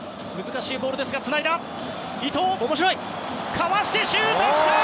かわしてシュート！